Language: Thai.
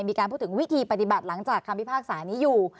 มีการพูดถึงวิธีปฏิบัติหลังจากคำพิพากษานี้อยู่